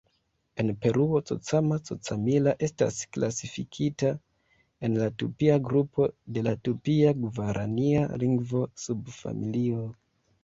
En Peruo, "Cocama-Cocamilla" estas klasifikita en la Tupia grupo de la Tupia-Gvarania lingvo-subfamilio.